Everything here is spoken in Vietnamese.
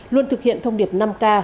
luôn thực hiện thông điệp năm k